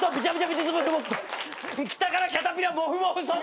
北からキャタピラモフモフ祖父来た。